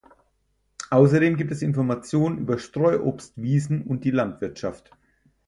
Außerdem gibt es Informationen über Streuobstwiesen und die Landwirtschaft.